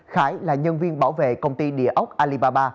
khải là nhân viên bảo vệ công ty địa ốc alibaba